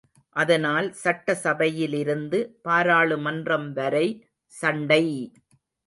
அதனால் சட்ட சபையிலிருந்து பாராளுமன்றம் வரை சண்டை!